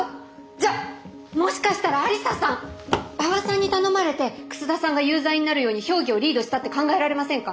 じゃあもしかしたら愛理沙さん馬場さんに頼まれて楠田さんが有罪になるように評議をリードしたって考えられませんか？